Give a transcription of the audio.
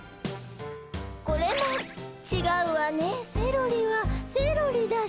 「これもちがうわねセロリはセロリだし」